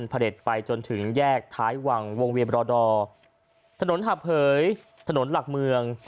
ผลิตไปจนถึงแยกท้ายวังวงเวียมรอดอร์ถนนหาบเหยถนนหลักเมือง